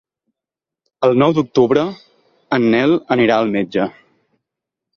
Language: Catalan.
El nou d'octubre en Nel anirà al metge.